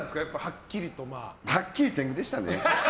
はっきり言って天狗でしたね。